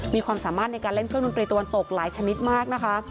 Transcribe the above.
มีความสามารถในการเล่นเครื่องดนตรีตะวันตกหลายชนิดมากนะคะ